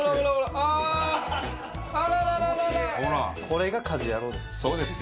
これが『家事ヤロウ！！！』です。